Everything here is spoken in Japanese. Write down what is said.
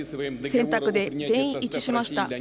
選択で全員一致しました。